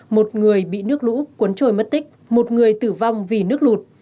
một người bị nước lũ cuốn trôi mất tích một người tử vong vì nước lụt